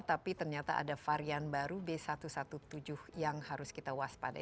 tapi ternyata ada varian baru b satu ratus tujuh belas yang harus kita waspada